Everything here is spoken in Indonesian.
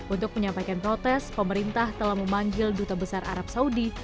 untuk menyampaikan protes pemerintah telah memanggil duta besar arab saudi